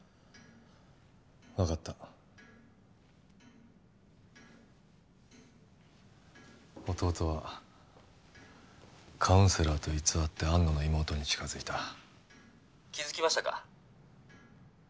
分かった弟はカウンセラーと偽って安野の妹に近づいた気づきましたか？